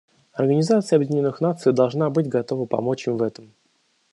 Организация Объединенных Наций должна быть готова помочь им в этом.